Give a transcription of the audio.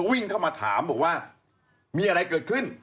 วิ่งเข้ามาถามบอกว่ามีอะไรเกิดขึ้น